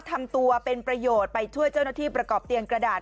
ทำตัวเป็นประโยชน์ไปช่วยเจ้าหน้าที่ประกอบเตียงกระดาษ